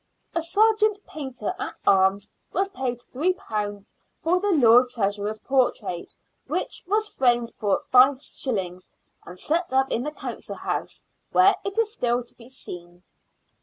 A " sargeant Painter at Arms " was paid £^ for the Lord Treasurer's portrait, which was framed for 5s. and set up in the Council House, where it is still to be seen.